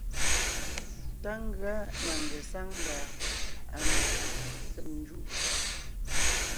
Tá ngʉa na ngesáŋ mba am kqm tem jú.